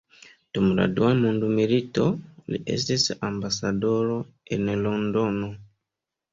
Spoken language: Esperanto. Dum la dua mondmilito, li estis ambasadoro en Londono.